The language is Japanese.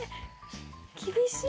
厳しい。